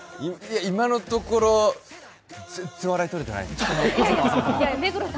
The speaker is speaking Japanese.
今のところ、全然笑いとれてない